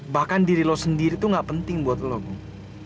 bahkan diri lo sendiri tuh gak penting buat lo gung